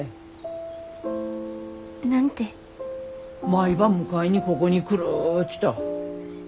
舞ば迎えにここに来るっちた。